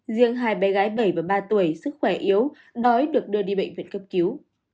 riêng hai bé gái bảy và ba tuổi sức khỏe yếu đói được đưa đi bệnh viện cấp cứu